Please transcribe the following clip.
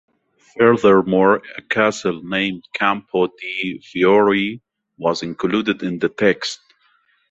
Furthermore, a castle named Campo de' Fiori, was included in the text.